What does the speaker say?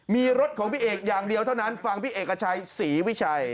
มีรถของพี่เอกอย่างเดียวเท่านั้นฟังพี่เอกชัยศรีวิชัย